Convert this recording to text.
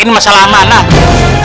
ini masalah amanah